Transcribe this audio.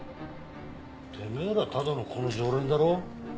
てめえらただのここの常連だろ？